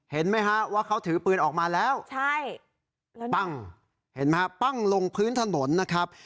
เห็นไหมฮะว่าเขาถือปืนออกมาแล้วใช่ปั้งเห็นไหมฮะปั้งลงพื้นถนนนะครับ